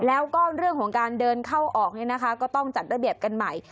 แล้วก็เรื่องของการเดินเข้าออกก็ต้องจัดระเบียบกันใหม่